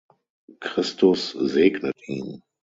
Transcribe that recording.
Christus segnet ihn.